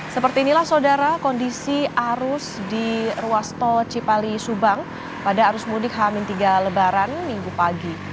seperti inilah saudara kondisi arus di ruas tol cipali subang pada arus mudik hamin tiga lebaran minggu pagi